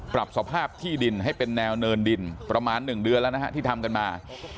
ปรับสภาพที่ดินให้เป็นแนวเนินดินประมาณ๑เดือนแล้วนะฮะที่ทำกันมา